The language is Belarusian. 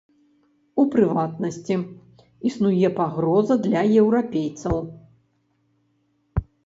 У прыватнасці, існуе пагроза для еўрапейцаў.